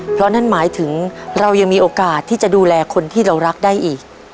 เพราะนั่นหมายถึงเรายังมีโอกาสที่จะดูแลคนที่เรารักได้อีก